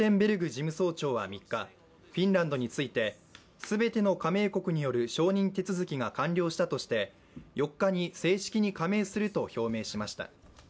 事務総長は３日、フィンランドについて全ての加盟国による承認手続きが完了したとして、４日に正式に加盟すると表明しました。